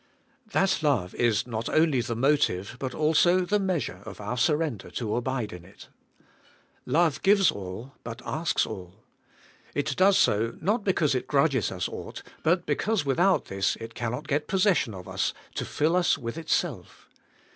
That love is not only the motive, but also the measure, of our surrender to abide in it. Love gives all, but asks all. It does so, not because it grudges us aught, but because without this it cannot get pos session of us to fill us with itself.